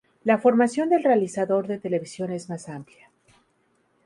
La formación del realizador de televisión es más amplia.